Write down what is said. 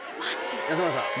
安村さん。